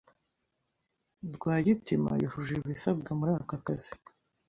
Rwagitima yujuje ibisabwa muri aka kazi.